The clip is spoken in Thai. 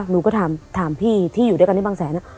หนูก็ถามพี่ที่อยู่ด้วยกันที่บางแสน